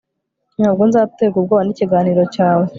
ntabwo nzaterwa ubwoba n'ikiganiro cyawe